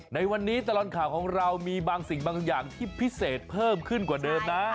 ในวันนี้ตลอดข่าวของเรามีบางสิ่งบางอย่างที่พิเศษเพิ่มขึ้นกว่าเดิมนะ